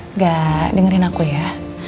enggak dengerin aku ya